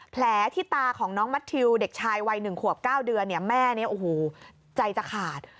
แผลที่ตาของน้องมัธิวเด็กชายวัย๑ขวบ๙เดือนแม่ใจจะขาด